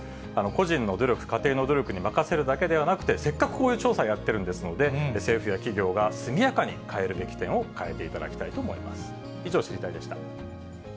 個人の努力、家庭の努力に任せるだけではなくて、せっかくこういう調査をやってるんですので、政府や企業が速やかに変えるべき点を変えていただきたいと思います。